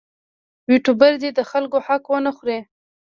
یوټوبر دې د خلکو حق ونه خوري.